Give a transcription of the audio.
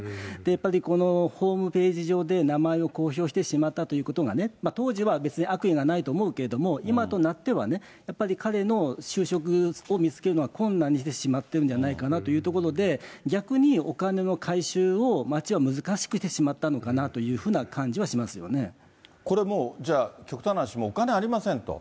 やっぱりこのホームページ上で名前を公表してしまったということが、当時は別に悪意はないと思うけれども、今となっては、やっぱり彼の就職を見つけるのを困難にしてしまっているんじゃないかなというところで、逆にお金の回収を町は難しくしてしまったのかなという感じはしまこれ、もう、じゃあ、極端な話、お金ありませんと。